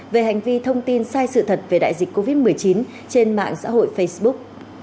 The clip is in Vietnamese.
về hành vi thông tin sai sự thật về đại dịch covid một mươi chín trên mạng xã hội facebook